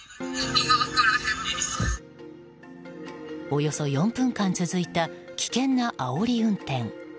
およそ４分間続いた危険なあおり運転。